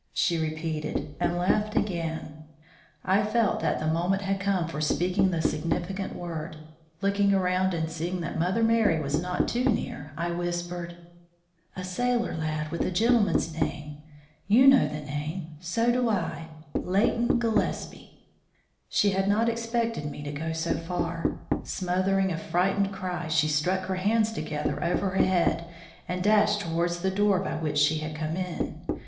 she repeated, and laughed again. I felt that the moment had come for speaking the significant word. Looking around and seeing that Mother Merry was not too near, I whispered: "A sailor lad with a gentleman's name. You know the name; so do I Leighton Gillespie." She had not expected me to go so far. Smothering a frightened cry, she struck her hands together over her head and dashed towards the door by which she had come in.